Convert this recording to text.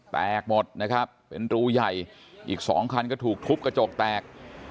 แตกหมดนะครับเป็นรูใหญ่อีกสองคันก็ถูกทุบกระจกแตก